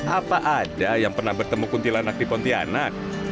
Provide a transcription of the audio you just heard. apa ada yang pernah bertemu kuntilanak di pontianak